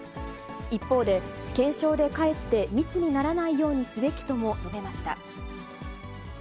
一方で、検証でかえって密にならないようにすべきとも述べました。